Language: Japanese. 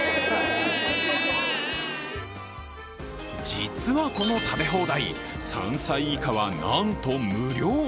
実はこの食べ放題、３歳以下はなんと無料。